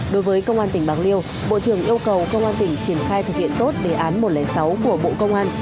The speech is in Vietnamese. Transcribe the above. đối với công an tỉnh bạc liêu bộ trưởng yêu cầu công an tỉnh triển khai thực hiện tốt đề án một trăm linh sáu của bộ công an